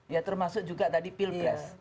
ya termasuk juga tadi pilpres